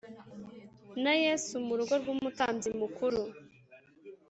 na Yesu mu rugo rw umutambyi mukuru